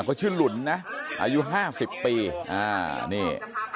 เขาชื่อหลุนนะอายุห้าสิบปีอ่านี่